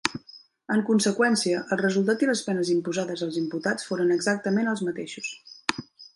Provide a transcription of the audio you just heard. En conseqüència, el resultat i les penes imposades als imputats foren exactament els mateixos.